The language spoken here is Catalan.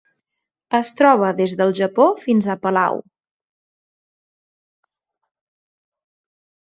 Es troba des del Japó fins a Palau.